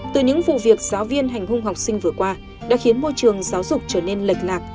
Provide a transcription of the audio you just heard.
từ những vụ việc giáo viên hành hung học sinh vừa qua đã khiến môi trường giáo dục trở nên lệch lạc